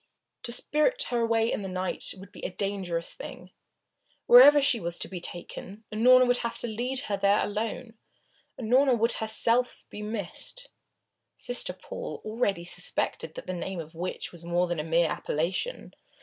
To spirit her away in the night would be a dangerous thing. Wherever she was to be taken, Unorna would have to lead her there alone. Unorna would herself be missed. Sister Paul already suspected that the name of Witch was more than a mere appellation.